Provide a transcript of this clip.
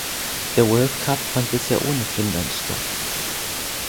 Der World Cup fand bisher ohne Finnland statt.